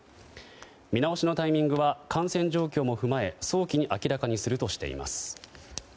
見直しのタイミングは感染状況も踏まえ早期に明らかにするとしています。